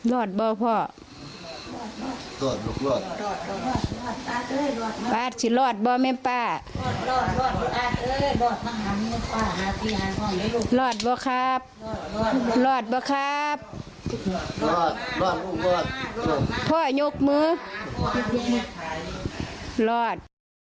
รอดเปล่าครับรอดเปล่าครับพ่อยกมือรอด